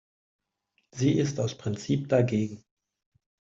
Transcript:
Sie ist aus Prinzip dagegen.